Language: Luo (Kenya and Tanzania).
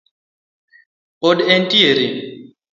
Pod en tiere